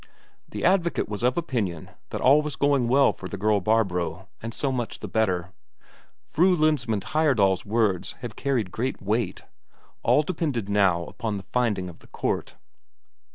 The advocate was of opinion that all was going well for the girl Barbro, and so much the better. Fru Lensmand Heyerdahl's words had carried great weight. All depended now upon the finding of the court.